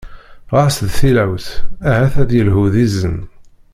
Ɣas d tilawt, ahat ad yelhu d izen.